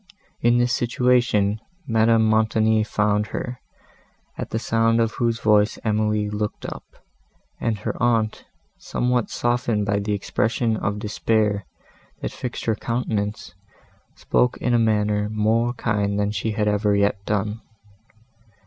In this situation Madame Montoni found her, at the sound of whose voice Emily looked up, and her aunt, somewhat softened by the expression of despair, that fixed her countenance, spoke in a manner more kind than she had ever yet done.